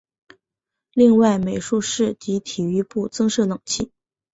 另外美术室及体育部增设冷气。